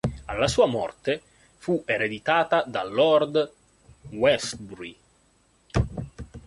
Alla sua morte fu ereditata da lord Westbury.